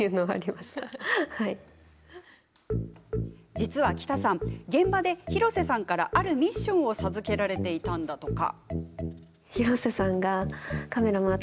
実は、北さん現場で広瀬さんからあるミッションを授けられていたんだとか。